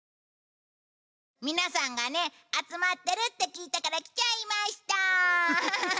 皆さんが集まっているって聞いたから、来ちゃいました。